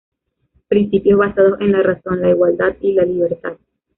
Principios basados en la razón, la igualdad y la libertad.